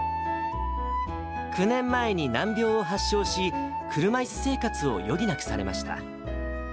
９年前に難病を発症し、車いす生活を余儀なくされました。